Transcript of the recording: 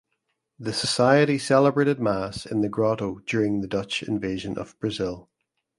The society celebrated mass in the grotto during the Dutch invasion of Brazil.